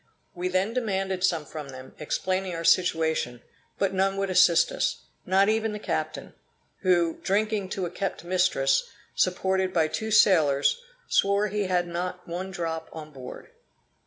We then demanded some from them, explaining our situation, but none would assist us, not even the captain, who, drinking to a kept mistress, supported by two sailors, swore he had not one drop on board.